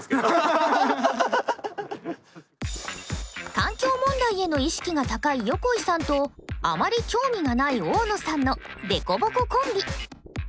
環境問題への意識が高い横井さんとあまり興味がない大野さんの凸凹コンビ。